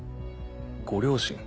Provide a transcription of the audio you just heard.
ご両親？